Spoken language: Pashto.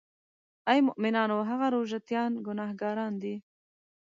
آی مومنانو هغه روژه تیان ګناهګاران دي.